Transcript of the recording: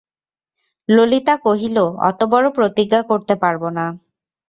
ললিতা কহিল, অতোবড়ো প্রতিজ্ঞা করতে পারব না।